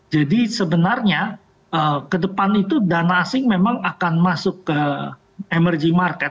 jadi sebenarnya ke depan itu dana asing memang akan masuk ke emerging market